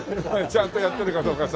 ちゃんとやってるかどうかさ。